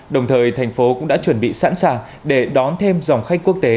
đồng thời thành phố cũng đã chuẩn bị sẵn sàng để đón thêm dòng khách quốc tế